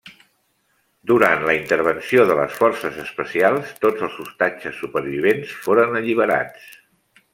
Durant la intervenció de les forces especials, tots els ostatges supervivents foren alliberats.